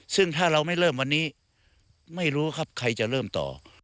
ซึ่งถ้าเราไม่เริ่มวันนี้ไม่รู้ครับใครจะเริ่มต่อ